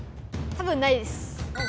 たぶんないです。